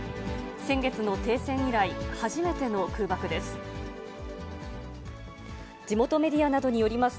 先月の停戦以来、初めての空爆です。